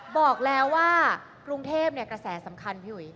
บอกแล้วว่ากรุงเทพกระแสสำคัญพี่อุ๋ย